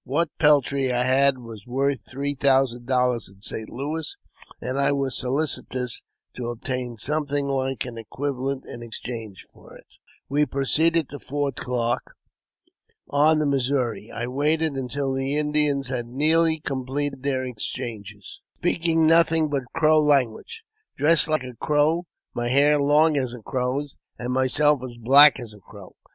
What peltry I had was worth three thousand dollars in St. Louis, and I was solicitous to obtain something like an equivalent in exchange for it. We proceeded to Fort Clarke, on the Missouri. I waited until the Indians had nearly completed their exchanges, speaking nothing but Crow language, dressed like a Crow, my hair as long as a Crow's, and myself as black as a crow.